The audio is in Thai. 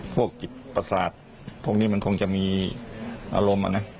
พวกจิตประสาทพวกนี้มันคงจะมีอารมณ์